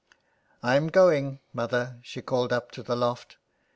" I'm going, mother," she called up to the loft.